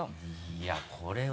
いやこれは。